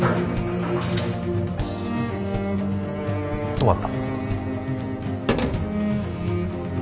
止まった。